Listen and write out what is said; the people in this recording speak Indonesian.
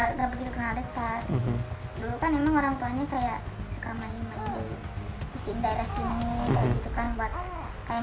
dulu kan emang orang tuanya kayak suka main main di daerah sini kayak gitu kan